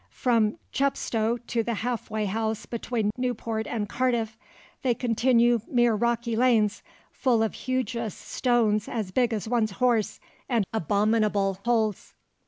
From Chepstow to the half way house between Newport and Cardiff they continue mere rocky lanes, full of hugeous stones as big as one's horse, and abominable holes."